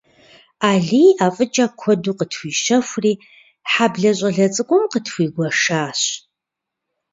Алий ӀэфӀыкӀэ куэду къытхуищэхури, хьэблэ щӀалэ цӀыкӀум къытхуигуэшащ.